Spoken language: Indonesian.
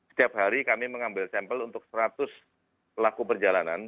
setiap hari kami mengambil sampel untuk seratus pelaku perjalanan